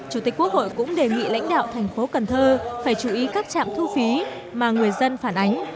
chủ tịch quốc hội cũng đề nghị lãnh đạo thành phố cần thơ phải chú ý các trạm thu phí mà người dân phản ánh